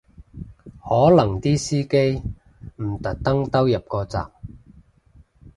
可能啲司機唔特登兜入個站